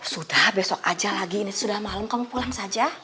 sudah besok aja lagi ini sudah malam kamu pulang saja